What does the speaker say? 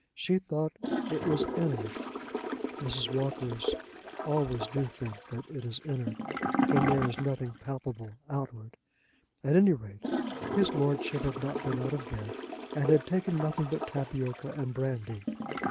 She thought it was "in'ard." Mrs. Walkers always do think that it is "in'ard" when there is nothing palpable outward. At any rate his lordship had not been out of bed and had taken nothing but tapioca and brandy.